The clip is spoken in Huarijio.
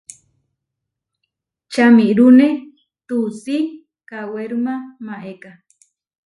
Čamirúne tuusí kawéruma maéka.